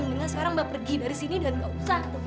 mendingan sekarang mbak pergi dari sini dan gak usah